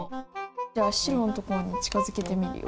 じゃあ白のところに近づけてみるよ。